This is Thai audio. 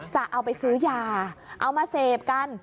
จะเอาไปซื้อยาเอามาเสพกัน